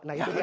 nah itu dia